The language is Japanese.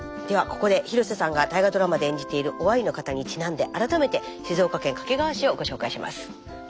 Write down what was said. ではここで広瀬さんが大河ドラマで演じている於愛の方にちなんで改めて静岡県掛川市をご紹介します。